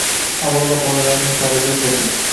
Avvalo, bolalarni mutolaaga o‘rgating